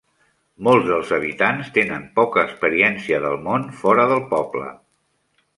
Molts dels habitants tenen poca experiència del món fora del poble.